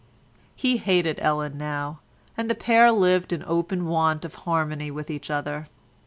He hated Ellen now, and the pair lived in open want of harmony with each other.